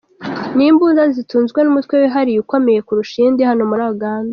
Ni imbunda zitunzwe n’umutwe wihariye ukomeye kurusha iyindi hano muri Uganda.